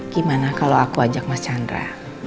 gimana kalau aku ajak mas chandra